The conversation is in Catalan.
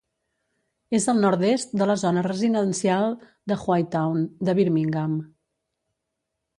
És al nord-est de la zona residencial de Hueytown, de Birmingham.